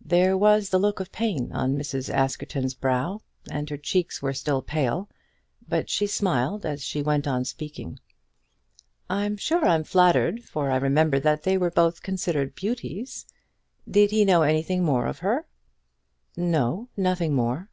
There was the look of pain on Mrs. Askerton's brow, and her cheeks were still pale, but she smiled as she went on speaking. "I'm sure I'm flattered, for I remember that they were both considered beauties. Did he know anything more of her?" "No; nothing more."